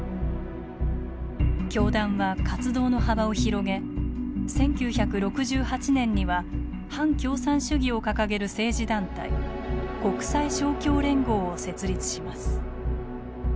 教団は活動の幅を広げ１９６８年には反共産主義を掲げる政治団体国際勝共連合を設立します。